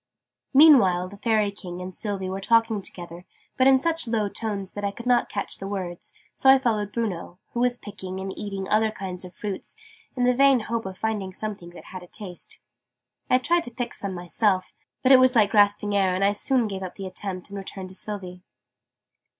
Meanwhile the Fairy King and Sylvie were talking together, but in such low tones that I could not catch the words: so I followed Bruno, who was picking and eating other kinds of fruit, in the vain hope of finding some that had a taste. I tried to pick so me myself but it was like grasping air, and I soon gave up the attempt and returned to Sylvie.